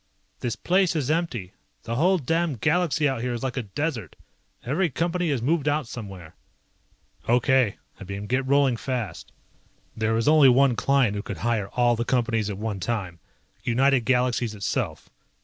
"This place is empty. The whole damned galaxy out here is like a desert. Every Company has moved out somewhere." "Okay," I beamed, "get rolling fast." There was only one client who could hire all the Companies at one time. United Galaxies itself.